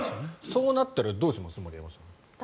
そうなったらどうします？